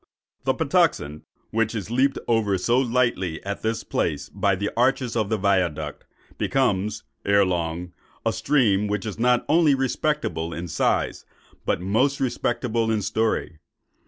The Patuxent, which is leaped over so lightly at this place by the arches of the Viaduct, becomes, ere long, a stream which is not only respectable in size, but most respectable in story.